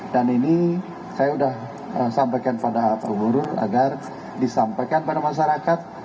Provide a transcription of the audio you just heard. dan ini saya sudah sampaikan pada pak guru agar disampaikan pada masyarakat